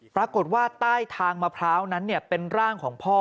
ปรากฏว่าใต้ทางมะพร้าวนั้นเป็นร่างของพ่อ